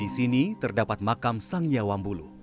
di sini terdapat makam sang yawambulu